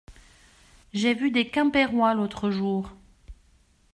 J’ai vu des Quimpérois l’autre jour.